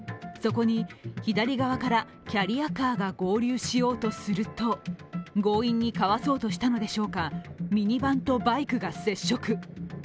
そこに左側からキャリアカーが合流しようとすると強引にかわそうとしたのでしょうか、ミニバンとバイクが接触。